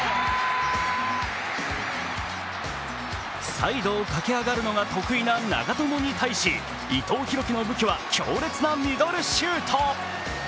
サイドを駆け上がるのが得意な長友に対し伊藤洋輝の武器は強烈なミドルシュート。